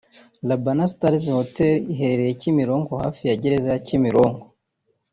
Labana star hotel iherereye Kimironko hafi ya gereza ya Kimironko